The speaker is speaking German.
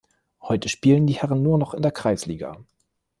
Heute spielen die Herren nur noch in der Kreisliga.